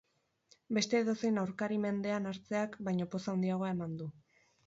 Beste edozein aurkari mendean hartzeak baino poz handiagoa eman du.